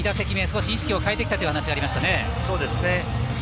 少し意識を変えてきたという話がありましたね。